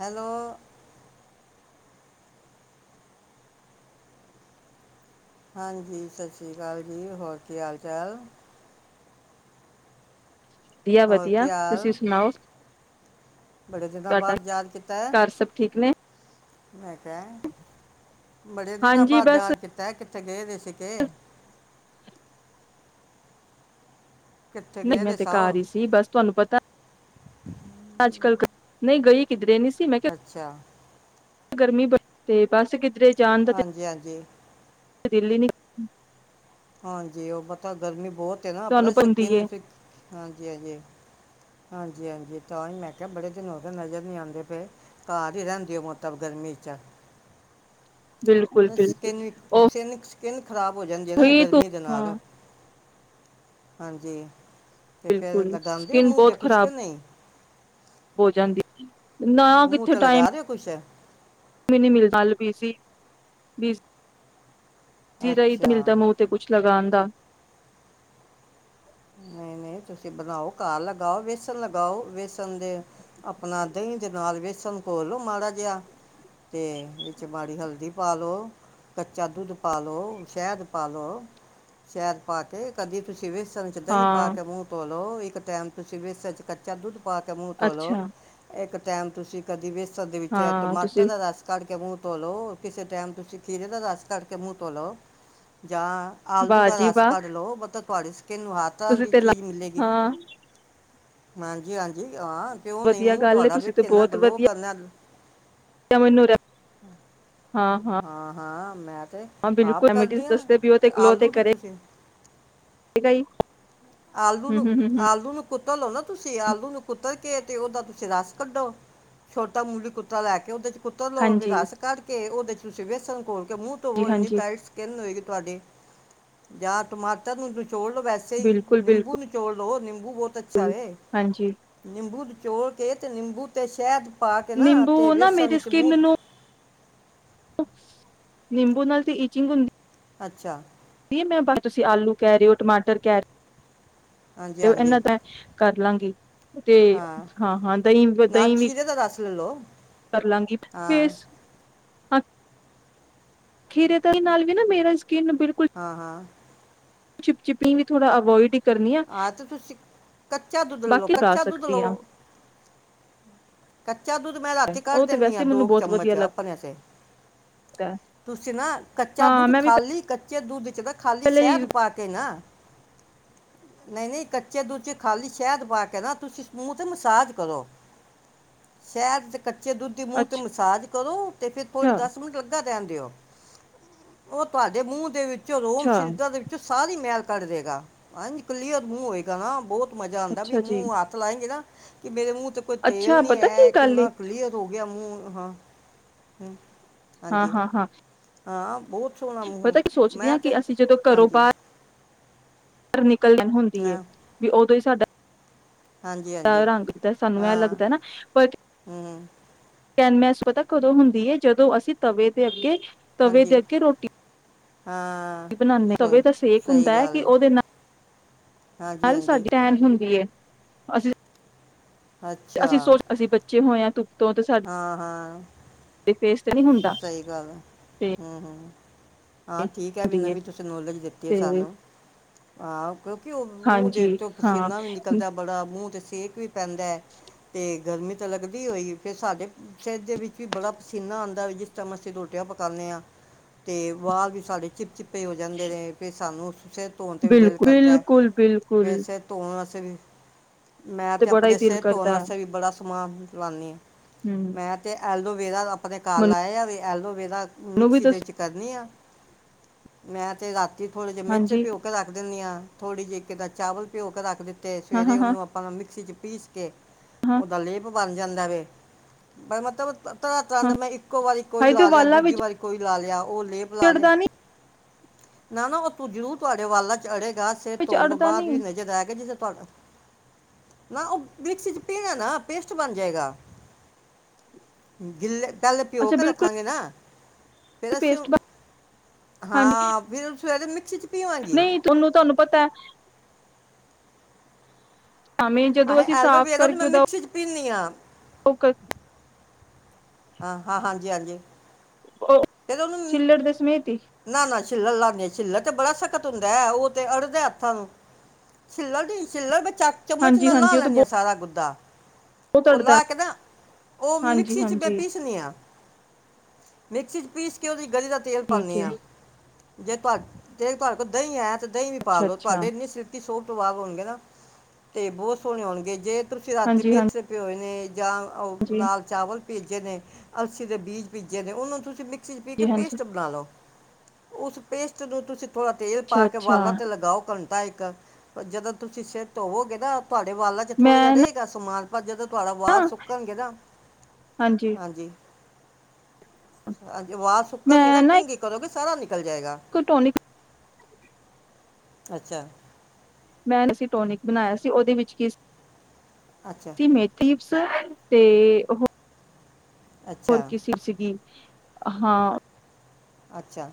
Hello. ਹਾਂਜੀ, ਸਸ੍ਰੀਕਾਲ ਜੀ, ਹੋਰ ਕੀ ਹਾਲ ਚਾਲ? ਵਧੀਆ, ਹੋਰ ਵਧੀਆ, ਕੀ ਤੁਸੀਂ ਹਾਲ ਸੁਣਾਓ? ਬੜੇ ਦਿਨਾਂ ਤੁਹਾਡਾ ਬਾਦ ਯਾਦ ਕੀਤਾ ਐ। ਘਰ ਸਭ ਠੀਕ ਨੇ ਮੈਂ ਕੈ ਬੜੇ ਦਿਨਾਂ ਹਾਂਜੀ ਬਾਦ ਬਸ ਯਾਦ ਕੀਤਾ ਏ ਕਿੱਥੇ ਗਏ ਵੇ ਸੀ ਕੇ ਕਿੱਥੇ ਨਈ, ਗਏ ਮੈਂ ਦੇ ਤੇ ਕਾਰ ਸਾਓ ਹੀ ਸੀ ਬਸ ਤੁਆਨੂੰ ਪਤਾ, ਅੱਜ-ਕੱਲ ਨਈ ਗਈ ਕਿਦਰੇ ਨੀ ਸੀ ਮੈਂ ਕਿਹਾ ਅੱਛਾ। ਗਰਮੀ ਬੜ ਤੇ ਬਸ ਕਿਤੇ ਹਾਂਜੀ, ਹਾਂਜੀ। ਦਿੱਲ ਈ ਨੀ ਹਾਂਜੀ, ਉ ਪਤਾ ਗਰਮੀ ਬੋਤ ਨਾ, ਪਤਾ ਹੁੰਦੀ ਸਕਿਨ ਹੈ ਫਿ, ਹਾਂਜੀ, ਹਾਂਜੀ ਹਾਂਜੀ, ਹਾਂਜੀ, ਤਾਂ ਹੀ ਮੈਂ ਕੇਆ ਬੜੇ ਦਿਨ ਹੋਗੇ ਨਜ਼ਰ ਨੀ ਆਂਦੇ ਪਏ, ਕਾਰ ਹੀ ਰੈਂਦੇ ਓ ਮਤਬ ਗਰਮੀ ਚ। ਬਿਲਕੁਲ, ਬਿਲਕੁਲ। ਓ ਕਿਨ ਖਰਾਬ ਹੋ ਜਾਂਦੀ ਆ ਨਾ ਗਰਮੀ ਦੇ ਨਾਲ। ਹਾਂਜੀ। ਤੇ ਫੇਰ ਬਿਲਕੁਲ ਲਗਾਂਦੇ ਓ ਸਕਿਨ ਮੂੰਹ ਤੇ ਬਹੁਤ ਕੁੱਛ ਖ਼ਰਾਬ ਕੇ ਨਈ? ਹੋ ਜਾਂਦੀ ਨਾ ਮੂੰਹ ਕਿੱਥੇ ਤੇ ਟਾਈਮ ਲਗਾ ਦਿਓ ਕੁਛ ਵੀ ਨੀ ਮਿਲਦਾ ਬੀ-ਸੀ ਜੀਰਾਈਦ ਅੱਛਾ ਮਿਲਦਾ ਮੂੰਹ ਤੇ ਕੁੱਛ ਲਗਾਨ ਦਾ ਨਹੀਂ ਨਹੀਂ ਤੁਸੀਂ ਬਣਾਓ ਘਰ ਲਗਾਓ ਵੇਸਣ ਲਗਾਓ ਵੇਸਣ ਦੇ ਆਪਣਾ ਦਹੀਂ ਦੇ ਨਾਲ ਵੇਸਣ ਘੋਲੋ ਮਾੜਾ ਜਿਹਾ ਤੇ ਵਿੱਚ ਮਾੜੀ ਹਲਦੀ ਪਾ ਲਓ ਕੱਚਾ ਦੁੱਧ ਪਾ ਲਓ ਸ਼ਹਿਦ ਪਾ ਲਓ ਸ਼ਹਿਦ ਪਾ ਕੇ ਕਦੀ ਤੁਸੀਂ ਵੇਸਣ ਦਹੀਂ ਪਾ ਹਾਂ ਕੇ ਮੁਹ ਤੋਲੋ ਇੱਕ ਟਾਈਮ ਤੁਸੀਂ ਵੇਸਨ ਚ ਕੱਚਾ ਦੁੱਧ ਪਾ ਕੇ ਮੂੰਹ ਧੋਲੋ ਅੱਛਾ ਇੱਕ ਟੈਮ ਤੁਸੀਂ ਕਦੀ ਵੇਸ ਦੇ ਵਿੱਚ ਹਾਂ ਟਮਾਟਰ ਤੁਸੀਂ ਦਾ ਰਸ ਕੱਢ ਕੇ ਮੂੰਹ ਧੌਲੋ ਕਿਸੇ ਟਾਈਮ ਤੁਸੀਂ ਖੀਰੇ ਦਾ ਰਸ ਕੱਢ ਕੇ ਮੂੰਹ ਤੋਲਓ ਜਾਂ ਆਲੂ ਵਾਹ ਦਾ ਜੀ ਰਸ ਵਾਹ ਕੱਢ ਲਓ ਤੁਹਾਡੀ ਸਕਿਨ ਵਾ ਤੁਸੀਂ ਤੇ ਹਾਂ। ਹਾਂਜੀ ਹਾਂਜੀ ਹਾਂ ਕਿਉਂ ਨਹੀਂ ਵਧੀਆ ਮੂੰਹ ਗੱਲ ਏ ਤੁਹਾਡਾ ਤੁਸੀਂ ਵੇਖ ਤੇ ਕਿੰਨਾ ਬਹੁਤ ਗਲੋ ਵਧੀਆ ਕਰਨਾ। ਮੈਨੂੰ ਹਾਂ ਹਾਂ। ਮੈਂ ਤੇ ਹਾਂ ਆਪ ਬਿਲਕੁਲ, ਰੈਮਡੀਜ ਕਰਦੀ ਆ ਦੱਸਦੇ ਪਏ ਓ ਤੇ ਗਲੋ ਤੇ ਆਲੂ ਨੂੰ ਤੁਸੀਂ ਕਰੇਗਾ ਹੀ। ਆਲੂ ਨੂੰ, ਆਲੂ ਨੂੰ ਕੁੱਟ ਲੋ ਤੁਸੀਂ ਆਲੂ ਨੂੰ ਕੁੱਤਰ ਕੇ ਤੇ ਓਦਾ ਤੁਸੀਂ ਰਸ ਕੱਢੋ, ਛੋਟਾ ਮੂਲੀ ਕੁੱਤਾ ਲੈ ਕੇ ਓਦੇ ਚ ਕੁੱਤਰ ਲੋ, ਫਿਰ ਹਾਂਜੀ ਰਸ ਕੱਢ ਕੇ ਓਦੇ ਚ ਤੁਸੀਂ ਵੇਸਨ ਘੋਲ ਮੂੰ ਜੀ ਧੋਵੋ ਏਨੀ ਹਾਂਜੀ ਟਾਈਟ ਸਕਿਨ ਹੋਏਗੀ ਤੁਆਡੀ, ਜਾਂ ਟਮਾਟਰ ਨੂੰ ਚੋੜਲੋ ਵੈਸੇ ਈ ਬਿਲਕੁਲ ਨਿੰਬੂ ਬਿਲਕੁਲ ਨਿਚੋੜ ਲੋ ਨਿੰਬੂ ਬਹੁਤ ਅੱਛਾ ਵੇ, ਹਾਂਜੀ ਨਿੰਬੂ ਨਿਚੋੜ ਕੇ ਨਿੰਬੂ ਤੇ ਸ਼ੈਦ ਪਾ ਕੇ ਨਾ, ਤੇ ਨਿੰਬੂ ਨਾ ਵੇਸਣ ਮੇਰੀ ਵਿੱਚ ਮੂੰ ਸਕਿੰਨ ਨੂੰ ਨਿੰਬੂ ਨਾਲ ਤੇ ਇਚਿੰਗ ਹੂੰ ਅੱਛਾ। ਤੁਸੀਂ ਆਲੂ ਕਹਿ ਰਹੇ ਹੋ ਟਮਾਟਰ ਕਹਿ ਹਾਂਜੀ ਹਾਂਜੀ ਇਹਨਾਂ ਤਾਂ ਕਰ ਲਾਂਗੀ। ਤੇ ਹਾਂ ਹਾਂ ਦਹੀਂ ਨਾ ਦਹੀਂ ਵੀ ਖੀਰੇ ਦਾ ਰਸ ਲੈ ਲਓ ਕਰਲਾਂਗੀ ਹਾਂ ਫੇਸ ਹਾਂ, ਖੀਰੇ ਦਹੀ ਨਾਲ ਵੀ ਨਾ ਮੇਰਾ ਸਕਿਨ ਬਿਲਕੁਲ ਹਾਂ ਹਾਂ ਚਿਪਚਿਪੀ ਵੀ ਥੋੜਾ ਅਵੋਇਡ ਆ ਤੇ ਤੁਸੀਂ ਕੱਚਾ ਦੁੱਧ ਲਓ ਬਾਕੀ ਲਗਾ ਕੱਚਾ ਦੁੱਧ ਸਕਦੀ ਆ ਲਓ ਕੱਚਾ ਦੁੱਧ ਮੈਂ ਰਾਤੀ ਕੱਢ ਉਹ ਤੇ ਦਿੰਦੀ ਆ ਵੈਸੇ ਮੈਨੂੰ ਦੋ ਕੁ ਬਹੁਤ ਵਧੀਆ ਚਮਚ ਲੱਗ ਆਪਣੇ ਵਾਸਤੇ ਤੁਸੀਂ ਨਾ ਕੱਚਾ ਹਾਂ ਦੁੱਧ ਮੈਂ ਵੀ ਖਾਲੀ ਕੱਚੇ ਦੁੱਧ ਤਾਂ ਖਾਲੀ ਪਹਿਲੇ ਹੀ ਸ਼ਹਿਦ ਪਾ ਕੇ ਨਾ। ਨਹੀਂ ਨਹੀਂ ਕੱਚੇ ਦੂੱਚੇ ਖਾਲੀ ਸ਼ਹਿਦ ਪਾ ਕੇ ਨਾ ਤੁਸੀਂ ਮੂਹ ਤੇ ਮਸਾਜ ਕਰੋ ਸ਼ਹਿਦ ਕੱਚੇ ਦੁੱਧ ਦੀ ਮੂੰਹ ਤੇ ਅੱਛਾ ਮਸਾਜ ਕਰੋ ਤੇ ਫਿਰ ਦਸ ਮਿੰਟ ਲੱਗਾ ਰੇਂਦੇਓ ਉਹ ਤੁਹਾਡੇ ਮੂੰਹ ਦੇ ਵਿੱਚ ਰੋਮ ਅੱਛਾ ਸ਼ਹੀਦਾਂ ਦੇ ਵਿੱਚੋਂ ਸਾਰੀ ਮੈਲ ਕਰ ਦੇਗਾ ਹਾਂਜੀ ਕਲੀ ਆਂਗਨ ਮੂੰਹ ਹੋਏਗਾ ਨਾ ਬਹੁਤ ਮਜਾ ਆਂਦਾ ਵੀ ਅੱਛਾ ਜੀ ਮੂੰ ਹੱਥ ਲਾਏਂਗੀ ਨਾ ਕਿ ਮੇਰੇ ਮੂੰਹ ਤੇ ਕੋਈ ਤੇਲ ਅੱਛਾ ਨੀ ਪਤਾ ਕੀ ਹੈ, ਗੱਲ ਏ ਕਿੰਨਾ ਕਲੀਅਰ ਹੋ ਗਿਆ ਮੂੰ, ਹਾਂ, ਹੂੰ ਹਾਂ, ਹਾਂ, ਹਾਂ ਹਾਂ ਸੋਹਣਾ ਮੂੰਹ ਪਤਾ ਕੀ ਸੋਚਦੇ ਆ ਮੈਂ ਤੇ ਕਿ ਅਸੀਂ ਜਦੋਂ ਘਰੋਂ ਹਾਂਜੀ ਬਾਰ ਨਿਕ ਕਲਣ ਹੁੰਦੀ ਏ, ਹਾਂ ਵੀ ਉਦੋਂ ਹੀ ਸਾਡਾ ਹਾਂਜੀ ਦਾ ਹਾਂਜੀ ਰੰਗਦਾ ਸਾਨੂੰ ਏ ਹਾਂ ਲੱਗਦਾ ਨਾ, ਪਰ ਹਮ, ਕੈਨਮੈਸ ਪਤਾ ਕਦੋਂ ਹੁੰਦੀ ਏ, ਜਦੋਂ ਅਸੀਂ ਤਵੇ ਦੇ ਅੱਗੇ ਤਵੇ ਦੇ ਹਾਂਜੀ ਅੱਗੇ ਰੋਟੀ ਹਾਂ ਬਨਾਨੇ ਆ, ਤਵੇ ਸਹੀ ਦਾ ਸੇਕ ਹੁੰਦਾ ਸਹੀ ਹੈ ਗੱਲ ਕਿ ਓਦੇ ਨਾਲ, ਹਾਂਜੀ ਨਾਲ ਹਾਂਜੀ ਸਾਡੀ ਟੈਨ ਹੁੰਦੀ ਐ। ਅਸੀਂ ਅੱਛਾ ਅਸੀ ਸੋਚ, ਅਸੀ ਬੱਚੇ ਚੇ ਹੋਏ ਧੁਪ ਹਾਂ ਹਾਂ ਫੇਸ ਤੇ ਨਹੀਂ ਹੁੰਦਾ ਸਹੀ ਗੱਲ ਆ ਤੇ ਹਮ ਹਮ ਹਾਂ ਠੀਕ ਹੈ ਵੀ ਹੁੰਦੀ ਏ ਨਵੀਂ ਤੁਸੀਂ ਨੌਲੇਜ ਦਿੱਤੀ ਹੈ ਤੇ ਸਾਨੂੰ ਆ ਕਿਉਂਕਿ ਉਹ ਮੂੰਹ ਦੇ ਹਾਂਜੀ ਤੇ ਹਾਂ ਪਸੀਨਾ ਵੀ ਨਿਕਲਦਾ ਬੜਾ ਮੂੰਹ ਤੇ ਸੇਕ ਵੀ ਪੈਂਦਾ ਹੈ ਤੇ ਗਰਮੀ ਤਾਂ ਲੱਗਦੀ ਹੋਈ ਫਰ ਸਾਡੇ ਸਤ ਦੇ ਵਿੱਚ ਵੀ ਬੜਾ ਪਸੀਨਾ ਆਉਂਦਾ ਵੀ ਜਿਸ ਟਾਈਮ ਅਸੀਂ ਰੋਟੀਆਂ ਪਕਾਉਂਦੇ ਹਾਂ ਅਤੇ ਵਾਲ ਵੀ ਸਾਡੇ ਚਿੱਪ ਚਿੱਪੇ ਹੋ ਜਾਂਦੇ ਨੇ ਕਿ ਸਾਨੂੰ ਸਿਰ ਧੋਣ 'ਤੇ ਵੀ ਦਿਲ ਬਿਲਕੁਲ, ਕਰਦੈ ਹੈ ਬਿਲਕੁਲ, ਫਿਰ ਬਿਲਕੁਲ ਸਿਰ ਧੋਣ ਵਸ ਤੇ ਫੀਰ ਮੈਂ ਤੇ ਬੜਾ ਹੀ ਆਪਣੇ ਦਿਲ ਸਿਹਤ ਧੋਣ ਕਰਦਾ ਹੈ ਵਾਸਤੇ ਵੀ ਬੜਾ ਸਮਾਨ ਵੀ ਲਾਉਂਦੇ ਹਾਂ [unintelligible] ਹੂੰ ਮੈਂ ਤੇ ਐਲੌਵ ਵੇਰਾ ਕੱਲ ਆਇ ਆਵੇ ਐਲੋਵੇਰਾ ਮੈਨੂੰ ਵੀ ਮਿਕਸੀ ਦੇ ਦੱਸ ਵਿੱਚ ਕਰਨੀ ਆ ਮੈਂ ਤੇ ਗ ਅਤੇਥੋੜ੍ਹੇ ਜਿਹੇ ਹਾਂਜੀ ਮਿਰਚਿਓ ਕੇ ਰੱਖ ਦਿੰਦੀ ਆਂ ਥੋੜ੍ਹੀ ਜਿਹੀ ਕਿੱਦਾਂ ਚਾਵਲ ਭਿਉਂ ਕੇ ਰੱਖ ਦਿੱਤਾ ਅਤੇ ਹਾਂ, ਸਵੇਰੇ ਹਾਂ, ਹਾਂ, ਉਹਨੂੰ ਆਪਾਂ ਨੂੰ ਮਿਕਸੀ 'ਚ ਪੀਸ ਕੇ ਹਾਂ, ਉਹਦਾ ਲੇਪ ਬਰ ਜਾਂਦਾ ਵੈ, ਹਾਂ ਮਤਲਬ [unintelligible] ਇੱਕੋ ਵਾਰੀ ਕੋਈ ਹਾਏ ਤੇ ਲਾ ਲਿਆ ਵਾਲਾਂ ਦੂਜੀ ਵਿੱਚ ਵਾਰੀ ਕੋਈ ਲਾ ਲਿਆ ਉਹ ਲੇਪ ਲਾ ਲਿਆ ਅੜਦਾ ਨੀ ਨਾ ਨਾ ਉਹ ਤੂੰ ਜ਼ਰੂਰ ਤੁਹਾਡੇ ਵਾਲਾਂ ਚ ਅੜੇ ਗਾ ਸੇ ਵਿੱਚ ਧੋਣ ਤੋਂ ਅੜਦਾ ਬਾਅਦ ਨੀ ਵੀ ਨਜ਼ਰ ਆਇਆ ਗਿਆ ਜਿਸ ਤੁਹਾਡਾ, ਨਾ ਉਹ ਮਿਕਸੀ ਚ ਪੀਹਣਾ ਨਾ, ਪੇਸਟ ਬਣ ਜਾਏਗਾ ਗਿੱ ਪੈਲਾ ਭਿਓ ਅੱਛਾ ਕੇ ਬਿਲਕੁਲ ਰੱਖਾਂਗੇ ਨਾ ਫਿਰ ਅਸੀਂ ਪੇਸਟ ਹਾਂਜੀ ਹਾਂ ਫਿਰ ਸ ਮਿਕਸੀ ਚ ਪੀਵਾਂਗੇ ਨਹੀਂ ਤੁਹਾਨੂੰ ਤੁਹਾਨੂੰ ਪਤਾ ਹੈ ਭਾਵੇਂ ਜਦੋਂ ਅਸੀ ਅਸੀਂ ਐਲਵੇਰਾ ਤੇ ਮੈਂ ਮਿਕਸੀ ਚ ਪੀੱਨੀ ਆਂ ਫੋਕਸ ਹਾਂ ਹਾਂ ਹਾਂਜੀ ਹਾਂਜੀ ਓਹ ਛਿੱਲੜ ਦੇ ਸਮੇਤ ਹੀ ਛਿੱਲਰ ਲਾਂਦੇ ਛਿੱਲਰ ਤੇ ਬੜਾ ਸਖਤ ਹੁੰਦਾ ਹੈ ਉਹ ਤੇ ਅੜਦਾ ਹੱਥਾਂ ਛਿੱਲਰ ਦੀ ਛਿੱਲਰ ਵਿੱਚ ਚ ਚਮਚ ਹਾਂਜੀ, ਨਾਲ ਲਾ ਹਾਂਜੀ ਉਹ ਤਾਂ ਲੈਂਦੀਆਂ ਸਾਰਾ ਗੁੱਦਾ ਬਹੁਤ ਓਹ ਅੜਦਾ ਲਾ ਕੇ ਨਾ ਓਹ ਹਾਂਜੀ, ਮਿਕਸੀ ਚ ਮੈਂ ਹਾਂਜੀ ਪੀਸਨੀ ਆ ਮਿਕਸੀ ਚ ਪੀਸ ਕਿ ਓ ਗਲੀ ਦਾ ਤੇਲ ਠੀਕ ਪਾਨਿ ਹੈ ਆਂ ਜੇ ਤੁਹਾੇ ਤੇ ਤੁਹਾਡੇ ਕੋਲ ਦਹੀਂ ਏ ਦਹੀਂ ਵੀ ਅੱਛਾ, ਪਾਾਲ ਲੋ ਅੱਛਾ ਤੁਹਾਡੇ ਇੰਨੀ ਸਿਤੀ ਸੋਪ ਤੋਂ ਬਾਅਦ ਹੋਣਗੇ ਨਾ ਤੇ ਬਹੁਤ ਸੋਹਣੇ ਹੋਣਗੇ ਜੇ ਤੁਸੀਂ ਰਾਤੀ ਹਾਂਜੀ, ਮੇਸ ਪਿ ਹੋਏ ਨੇ ਜਾਂ ਹਾਂਜੀ, ਦਾਲ-ਚਾਵਲ ਪੀਜੇ ਨੇ, ਅਲਸੀ ਦੇ ਬੀਜ ਪੀਜੇ ਨੇ, ਓਨੂੰ ਤੁਸੀਂ ਮਿ ਮਿੱਕਸੀ ਪੀ ਕੇ ਹਾਂਜੀ, ਹਾਂਜੀ ਪੇਸਟ ਬਣਾ ਲੋ। ਉਸ ਪੇਸਟ ਨੂੰ ਤੁਸੀਂ ਥੋੜਾ ਤੇਲ ਅੱਛਾ, ਪਾ ਕੇ ਅੱਛਾ ਵਾਲਾਂ ਤੇ ਲਗਾਓ ਕ ਹਫਤਾ ਇਕ, ਜਦੋਂ ਤੁਸੀਂ ਸੇਰ ਤੋਵੋਗੇ ਨਾ ਤੁਆਡੇ ਵਾਲਾਂ ਚ ਥੋੜਾ ਜਿਆ ਮੈਂ ਰਏਗਾ ਸਮਾਨ ਪਰ ਜਦੋ ਤੁਆਡਾ ਨਾ ਵਾਲ ਸੁੱਕਣਗੇ ਨਾ, ਹਾਂਜੀ। ਹਾਂਜੀ, ਵਾਲ ਸੁੱਕਣਗੇ ਨਾ ਕੰੰਗੀ ਕਰੋਗੇ, ਸਾਰਾ ਨਿਕ ਲ ਜਾਏਗਾ। ਇੱਕ ਟੋਨਿਕ ਅੱਛਾ। ਮੈਂ ਅਸੀਂ ਟੋਨਿਕ ਬਨਾਇਆ ਸੀ, ਓਦੇ ਵਿੱਚ ਕੀ ਅੱਛਾ ਸੀ ਮੇਥੀ ਤੇ ਓਹ ਓਰ ਅੱਛਾ [unintelligible] ਸੀਗੀ। ਹਾਂ ਅੱਛਾ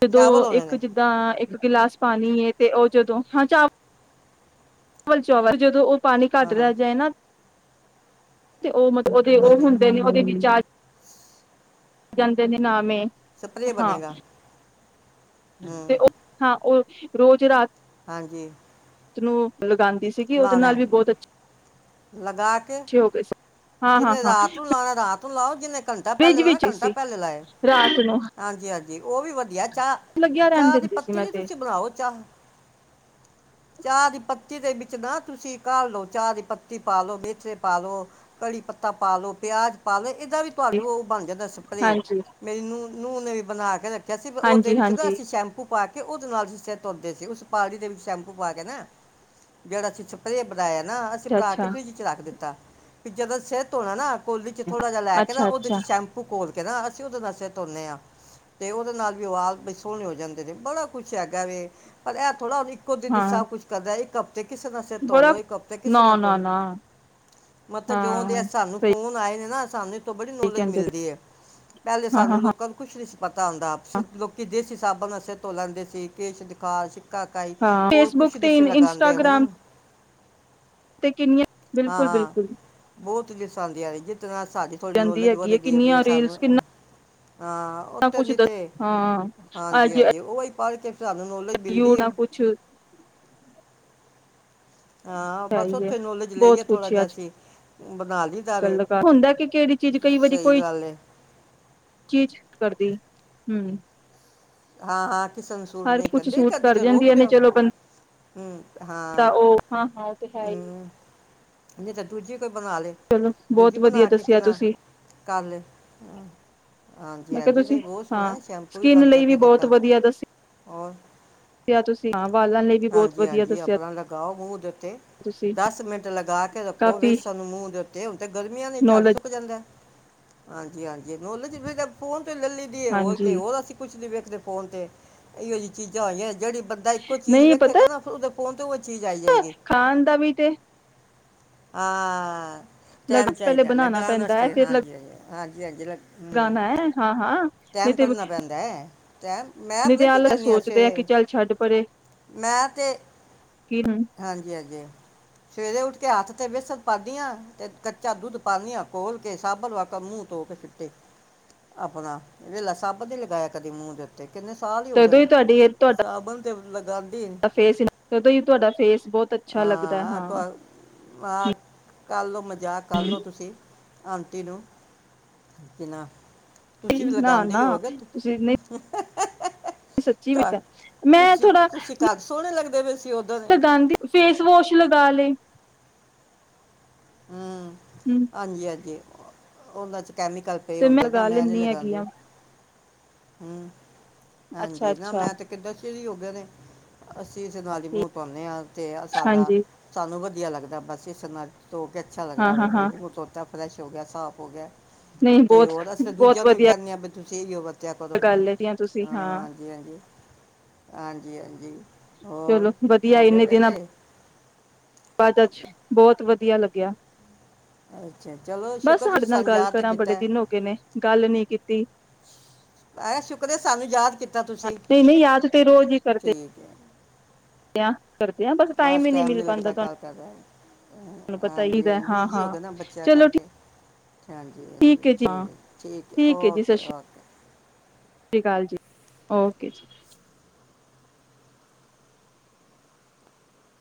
ਤੇ ਦੋ ਚਾਵਲ ਹੋਣੇ ਇੱਕ ਨੇ ਜਿੱਦਾਂ ਗਿਲਾਸ ਪਾਣੀ ਹੈ ਤੇ ਉਹ ਜਦੋਂ ਹਾਂ ਚਾ ਚਵਲ ਚਾਵਲ ਜਦੋਂ ਪਾਣੀ ਘੱਟ ਹਾਂ ਹਾਂ ਰਹਿ ਜਾਏ ਨਾ ਤੇ ਉਹ ਮਤਲਬ-' ਉਹਦੇ ਉਹ ਹਾਂਜੀ ਹੁੰਦੇ ਨੇ ਉਹਦੇ ਵਿਚਾਰੇ ਜਾਂਦੇ ਨੇ ਨਾਮੇ ਸਪਰੇਅ ਹਾਂ ਬਣੇਗਾ ਤੇ ਹੂੰ ਓਹ ਹਾਂ ਓ--ਹ ਰੋਜ ਰਾਤ ਹਾਂਜੀ [unintelligible] ਸੀਗੀ ਉਹਦੇ ਲਾਣਾ ਨਾਲ ਹੈ। ਵੀ ਬਹੁਤ ਅਛ ਅੱਛੇ ਹੋ ਗਏ ਸਨ। ਜਿੱਨੇ ਰਾਤ ਨੂੰ ਲਾਣਾ ਰਾਤ ਲਾਉ ਜਿੰਨੇ ਘੰਟਾ ਪਹਿਲੇ ਫਰਿਜ ਲਾਇਆ, ਵਿੱਚ ਘੰਟਾ ਸੀ ਪਹਿਲੇ ਲਾਏ ਰਾਤ ਨੂੰ ਹਾਂਜੀ ਹਾਂਜੀ, ਉਹ ਵੀ ਵਧੀਆ ਚਾਹ ਲੱਗਿਆ ਰਹਿਣ ਚਾਹ ਦੀ ਦਿੰਦੀ ਸੀ ਪੱਤੀ ਮੈਂ ਨੀ ਤੇ ਤੁਸੀਂ ਬਣਾਓ, ਚਾਹ ਚਾਹ ਦੀ ਪੱਤੀ ਦੇ ਵਿੱਚ ਨਾ ਤੁਸੀਂ ਘਾਲ ਲੋ, ਚਾਹ ਦੀ ਪੱਤੀ ਪਾਾਲੋ ਵਿੱਚ ਪਾਾਲੋ। ਕੜੀ ਪੱਤਾ ਪਾ ਲੋੋ, ਪਿਆਜ ਪਾ ਲੋ ਜਿੱਦਾਂ ਵੀ ਪਾ ਲਾਉ, ਉਹ ਬਣ ਜਾਂਦਾ ਸਪਰੇ, ਹਾਂਜੀ ਮੈਨੂੰ ਨੂੰਹ ਨੇ ਵੀ ਬਣਾ ਕੇ ਕਿ ਅਸੀਂ ਉਹਦੇ ਹਾਂਜੀ ਵਿੱਚ ਨਾ ਹਾਂਜੀ ਅਸੀਂ ਸ਼ੈਂਪੂ ਪਾ ਕੇ ਓਹਦੇ ਨਾਲ ਸਿਰ ਧੋਂਦੇ ਸੀ, ਉਸ ਪਾਣੀ ਦੇ ਵਿੱਚ ਸ਼ੈਂਪੂ ਪਾ ਕੇ ਨਾ ਜਿਹੜਾ ਅਸੀ ਸਪਰੇ ਬਣਾਇਆ ਨਾ ਅਸੀਂ ਬਣਾ ਕੇ ਅੱਛਾ ਫਰਿੱਜ ਚ ਰੱਖ ਦਿੱਤਾ। ਜਦੋਂ ਸਿਰ ਧੋਣਾ ਨਾ ਕੋਲੀ ਚ ਥੋੜਾ ਜਿਹਾ ਲੈ ਕੇ ਨਾ ਅੱਛਾ ਅੱਛਾ ਉਹਦੇ ਚ ਅੱਛਾ ਸ਼ੈਂਪੂ ਘੋਲ ਹਾਂ, ਅਸੀਂ ਓਹਦੇ ਨਾਲ ਸਿਰ ਧੋਨੇ ਹਾਂ ਤੇ ਉਹਦੇ ਨਾਲ ਵੀ ਵਾਲ ਬੜੇ ਸੋਹਣੇ ਹੋ ਜਾਂਦੇ ਨੇ, ਬੜਾ ਕੁੱਛ ਹੈਗਾ ਏ ਪਰ ਇਹ ਥੋੜਾ ਓਹਦੀ ਕੁਝ ਨੀ ਹਾਂ ਸਭ ਕੁਛ ਕਰਦਾ ਏ। ਕਿਸੇ ਦਾ ਸਿਰ ਧੋ ਬੜਾ ਲਉ, ਇੱਕ ਹਫਤੇ ਕਿਸੇ ਨਾ ਦਾ ਨਾ ਨਾ ਮਤਲਬ ਜਦੋਂ ਦੇ ਹਾਂ ਸਾਨੂੰ ਸਹੀ ਫੋਨ ਆਏ ਨੇ ਨਾ ਸਾਨੂੰ ਤੋਂ ਬੜੀ ਨੌਲੇਜ ਕਹਿੰਦੇ ਮਿਲਦੀ ਹੈ, ਪਹਿਲੇ ਹਾਂ ਹਾਂ ਸਾਨੂੰ ਹਾਂ ਲੋਕਾਂ ਨੂੰ ਕੁਛ ਨੀ ਪਤਾ ਹੁੰਦਾ, ਲੋਕੀ ਜਿਸ ਸਾਬਣ ਨਾਲ ਸਿਰ ਧੋ ਲੈਂਦੇ ਸੀ ਕੇਸ਼ ਸ਼ਿਕਾਕਈ ਹਾਂ ਹੋਰ ਕੁਛ ਫੇਸਬੁੱਕ ਨਹੀਂ ਤੇ ਸੀ ਲਗਾਉਂਦੇ, ਆ ਇੰਸਟਾਗ੍ਰਾਮ ਹੁਣ ਤੇ ਕਿੰਨੀਆਂ ਬਿਲਕੁਲ, ਬਿਲਕੁਲ। ਬਹੁਤ ਵਿਛਾਉਂਦੀਆ ਨੇ ਜਿਸ ਤਰ੍ਹਾਂ ਸਾਡੀ ਥੋੜੀ ਜਾਂਦੀ ਨੌਲੇਜ ਹੈਗੀ ਹੈ ਵੱਧਦੀ ਪਈ ਏ, ਕਿੰਨੀਆਂ ਰੀਲਸ ਸਾਨੂੰ ਕਿੰਨਾ ਹਾਂ, ਉੱਥੇ ਕੁਛ ਦੀ ਤੇ ਦੱਸ ਹਾਂ ਹਾਂਜੀ ਅੱਜ ਹਾਂਜੀ, ਉਹੀ ਪੜ੍ਹ ਕੇ ਸਾਨੂੰ ਨੌਲੇਜ ਮਿਲਦੀ ਯੂ ਏ। ਨਾ ਕੁਛ ਹੈ ਹੀ ਏ ਨੋਲੇਜ ਬਹੁਤ ਲਈਏ ਥੋੜਾ ਕੁਛ ਆ ਜਿਹਾ ਅੱਜ ਅਸੀਂ ਬਣਾ ਲਈ ਦਾਵੇ ਗੱਲ ਕਰ ਹੁੰਦਾ ਕਿ ਕਿਹੜੀ ਚੀਜ਼ ਕਈ ਵਾਰੀ ਸਹੀ ਕੋਈ ਗੱਲ ਹੈ ਚੀਜ਼ ਕਰਦੀ ਹੂੰ। ਹਾਂ, ਹਾਂ। ਸੂਟ ਨੇ ਕਦੇੇ ਸੂਟ ਕਦੀ ਕਰ ਤੇ ਰੋਕ ਜਾਂਦੀਆਂ ਨੇ ਦਿਓ, ਚਲੋ ਹੂੰ ਬੰਦਾ ਹਾਂ ਉਹ ਹਾਂ ਹਾਂ ਉਹ ਤੇ ਹੈ ਹੀ ਹੂੰ। ਨਹੀਂੇ ਤਾਂ ਦੂਜੇ ਕੋਈ ਬਣਾ ਲਏ ਚਲੋ ਦੂਜੀ ਬਹੁਤ ਵਧੀਆ ਬਣਾ ਕੇ ਕਿ ਦੱਸਿਆ ਨਾ ਤੁਸੀਂ ਕਰ ਲ ਹਾਂਜੀ ਮੈਂ ਕਿਹਾ ਹਾਂਜੀ ਤੁਸੀ ਬਹੁਤ ਸੋਹਣਾ ਸ਼ੈਂਪੂ ਵੀ ਬਣ ਜਾਂਦੇ ਹੁਤ ਵਧੀਆ ਦੱਸੀ ਹੋਰ ਜਾਂ ਤੁਸੀਂ ਆ ਹਾਂਜੀ ਹਾਂਜੀ ਆਪਣਾ ਲਗਾਓ ਮੂੰਹ ਦੇ ਉਤੇ, ਤੁਸੀਂ ਦਸ ਮਿੰਟ ਲਗਾ ਕੇ ਰੱਖੋ ਕਾਫ਼ੀ ਵੇਸਣ ਮੂੰਹ ਦੇਤੇ ਹੁਣ ਤੇ ਗਰਮੀਆਂ ਨ ਝੜ ਨੌਲੇਜ ਸੁੱਕ ਜਾਂਦਾ ਹਾਂਜੀ। ਜੀ ਹਾਂਜੀ ਨੌਲੇਜ [unintelligible] ਫੋਨ ਲੇ ਲੀ ਦੀਏ ਹੋਰ ਹਾਂਜੀ ਹੋਰ ਅਸੀਂ ਕੁਛ ਨ ਵੇਖਦੇ ਫੋਨ ਤੇ ਇਹੋ ਜਿਹੀ ਚੀਜ਼ਾਂ ਆਈਆਂ ਜਿਹੜੀ ਬੰਦਾ ਇੱਕੋ ਚੀਜ਼ ਨਹੀਂ ਵੇਖਿਆ ਪਤਾ ਕਰਨਾ ਫੋਨ ਤੋਂ ਖਾਣ ਦਾ ਵੀ ਤੇ ਹਾਂ। ਟੈਮ ਲਗਾ ਪਹਿਲੇ ਚਾਹੀਦਾ ਬਣਾਉਣਾ ਲਗਾਉਣ ਆਸਤੇ ਹਾਂਜੀ ਹ ਹਾਂਜੀ ਹਾਂਜੀ ਲ ਗਾਣਾ ਹੈ ਹਾਂ ਹਾਂ। ਨਹੀਂ ਟੈਮ ਤੇ ਕੱਢਨਾ ਪੈਂਦਾ ਹੈ। ਮੈਂ ਨਹੀਂ ਪਤਾ ਤੇ ਕੀ ਆਹ ਕਰਨੀ ਆ ਸੋਚਦੇ ਕਿ ਸਵੇਰੇ, ਚੱਲ ਛੱਡ ਪਰੇ ਮੈਂ ਤੇ, ਕਿ ਹਾਂਜੀ-ਹਾਂਜੀ ਸਵੇਰੇ ਉਠ ਤੇ ਹੱਥ ਤੇ ਬੇਸਣ ਪਾਦੀਆਂ ਤੇ ਕੱਚਾ ਦੁੱਧ ਪਾਦੀਆ ਖੋਲ ਕੇ ਸਾਬਣ ਮੂੰਹ ਧੋ ਕੇ ਛੁੱਟੀ ਆਪਣਾ। ਵੇਹਲਾ ਸਭ ਦੇ ਲਗਾਇਆ ਕਦੇ ਮੂੰਹ ਤੇ। ਤੇ ਕਿੰਨੇ ਸਾਲ ਹੀ ਹੋ ਗਏ ਤਦੋਂ ਨੇ ਤੁਹਾਡੀ ਤੁਹਾਡਾ ਸਾਬਣ ਤੇ ਲਗਾ ਫੇਸ ਤੁਹਾਡਾ ਫੇਸ ਬਹੁਤ ਅੱਛਾ ਲੱਗਦਾ ਹੈ ਹਾਂ ਹ। ਕੱਰਲ੍ਹੋ ਮ ਮਜ਼ਾਕ ਕਰ ਲਓ ਤੁਸੀਂ। ਆਂਟੀ ਨੂੰ ਕਿਨਾ ਤੁਸੀਂ ਵੀ ਨਾ ਲਗਾਉਂਦੇ ਨਾ ਹੀ ਹੋਗੇ ਤੁਸੀਂ ਨਹੀਂ ਸੱਚੀ ਵੀ ਤਾਂ ਤੁਸੀਂ ਤੁਸੀਂ ਘਜ ਸੋਹਣੇ ਲੱਗਦੇ [unintelligible] ਲਗਾਉਦੀ ਫੇਸ ਵੋਸ਼ ਲਗਾ ਲਏ ਹੁੰ, ਹਮ ਹਾਂਜੀ ਹਾਂਜੀ। ਉਹਦਾ ਚ ਕੈਮੀਕਲ ਪਏ ਤੇ ਹੁੰਦੇ ਲਗਾ ਮੈਂ ਨੀ ਲੈਂਦੀ ਹੈਗੀ ਲਗਾਦੀ ਊ। ਆ ਹਮ ਅੱਛਾ ਹਾਂਜੀ ਨਾ ਅੱਛਾ ਮੈਂ ਤੇ ਕਿਡਾ ਚਿਰ ਹੀ ਹੋਗੇ ਨੇ। ਅਸੀਂ ਇਸੇ ਨਾਲ ਹੀ ਠੀਕ, ਮੂਰ ਧੋਣੇ ਹਾਂ ਤੇ ਸਾਡਾ ਹਾਂਜੀ ਸਾਨੂੰ ਵ ਵਧੀਆ ਲੱਗਦਾ ਬਸ ਇਸੇ ਨਾਲ ਤੋ ਕੇ ਅੱਛਾ ਹਾਂ ਲੱਗਦਾ ਹਾਂ ਵੇ, ਹਾਂ ਬਈ ਓ ਦੋਤਾ ਫਰੈਸ਼ ਹੋ ਗਿਆ, ਸਾਂਮ ਹੋ ਗਿਆ ਨਹੀਂ ਤੇ ਬਹੁਤ ਹੋਰ ਅਸੀਂ ਬਹੁਤ ਦੂਜਿਆਂ ਨੂੰ ਵੀ ਵਧੀਆ ਕੈਨੇ ਆ ਬਈ ਤੁਸੀਂ ਇਹੀਓ ਵਰਤਿਆ ਕਰੋ। ਗੱਲ ਹੈਗੀ ਤੁਸੀਂ ਹਾਂ, ਹਾਂਜੀ, ਹਾਂਜੀ। ਹਾਂਜੀ, ਹਾਂਜੀ। ਓਰ ਚਲੋ ਹੋਗੇ ਵੇਲੇ? ਬਾਦ ਅੱਜ ਬਹੁਤ ਵਧੀਆ ਲੱਗਿਆ। ਅੱਛਾ ਚਲੋ ਬਸ ਸ਼ੁਕਰ ਸਾਡੇ ਤੁਸੀਂ ਨਾਲ ਸਾਨੂੰ ਗੱਲ ਯਾਦ ਤੇ ਕਰਾਂ ਕੀਤਾ ਬੜੇ ਹੈ। ਦਿਨ ਹੋ ਗਏ ਨੇ ਗੱਲ ਨੀ ਕੀਤੀ। ਅ ਸ਼ੁਕਰ ਸਾਨੂੰ ਯਾਦ ਕੀਤਾ ਤੁਸੀਂ, ਨਹੀਂ ਨਹੀਂ ਯਾਦ ਤੇ ਰੋਜ਼ ਹੀ ਕਰਦੇ ਠੀਕ। ਆ ਕਰਦੇ ਆ, ਬਸ ਟਾਈਮ ਈ ਨਈ ਮਿਲ ਨਹੀਂ ਪਾਂਦਾ ਲੱਗਦਾ ਗੱਲ ਤੁਆਨੂੰ ਕਰਦਾ ਤਾਨੂੰ ਪਤਾ ਹੀ ਹਾਂਜੀ ਤਾਂ, ਹਾਂਜੀ ਹਾਂ, ਬਿਜੀ ਹੋ ਹਾਂ, ਗਿਆ ਨਾ ਬੱਚਿਆਂ ਚਲੋ ਠੀਕ ਕਰਕੇ ਹਾਂਜੀ, ਹਾਂਜੀ, ਹੈ ਜੀ ਹਾਂ ਠੀਕ, ਠੀਕ ਐ, ਓਕੇ, ਓਕੇ। ਕਾਲ ਜੀ, ਓਕੇ ਜੀ।